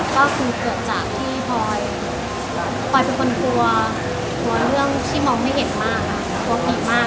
ก็คือก่ว่าเคยเกิดจากที่พออยเป็นคนกลัวงักกะล่องที่ไม่เห็นมากอีกคู่ปากกลัวมาก